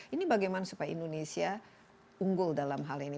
ini bagaimana supaya indonesia unggul dalam hal ini